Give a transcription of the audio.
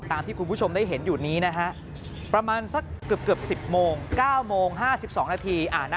ที่คุณผู้ชมได้เห็นอยู่นี้นะฮะประมาณสักเกือบ๑๐โมง๙โมง๕๒นาที